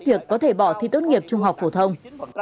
việc có thể bỏ thi tốt nghiệp trung học phổ thông